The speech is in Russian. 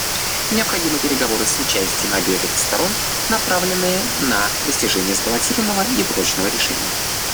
Необходимы переговоры с участием обеих сторон, направленные на достижение сбалансированного и прочного решения.